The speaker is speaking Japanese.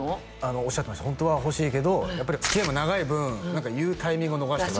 おっしゃってましたホントは欲しいけどやっぱりつきあいも長い分言うタイミングを逃してああ